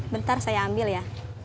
bentar saya ambil ya